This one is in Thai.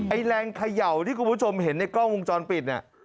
แรงเขย่าที่คุณผู้ชมเห็นในกล้องวงจรปิดเนี่ย